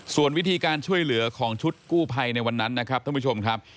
ส่วนวิธีการช่วยเหลือของชุดกู้ภัยในวันนั้นนะครับท่านผู้ชมครับ